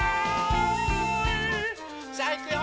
さあいくよ！